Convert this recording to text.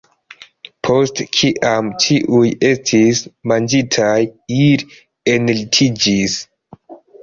Post kiam ĉiuj estis manĝintaj, ili enlitiĝis.